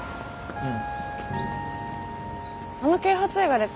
うん。